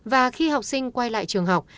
và khi học sinh quay lại trường học